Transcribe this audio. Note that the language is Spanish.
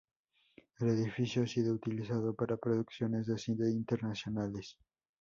El edificio ha sido utilizado para producciones de cine internacionales.